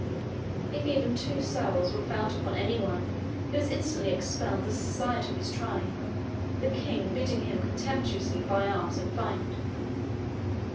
If even two sous were found upon any one, he was instantly expelled the society of his tribe, the king bidding him contemptuously buy arms and fight.